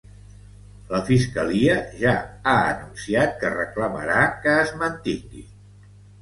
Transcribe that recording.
La fiscalia ja ha anunciat que reclamarà que es mantingui.